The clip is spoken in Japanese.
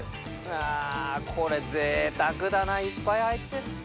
あこれ贅沢だないっぱい入ってる。